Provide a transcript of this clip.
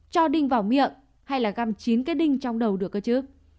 cho đinh vào miệng hay là găm chín kết đinh trong đầu được cơ chứ